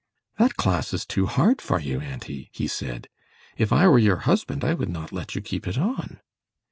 "That class is too hard for you, auntie," he said. "If I were your husband I would not let you keep it on."